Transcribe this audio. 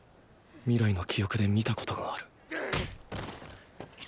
未来の記憶で見たことがあるゲホッゲホッ。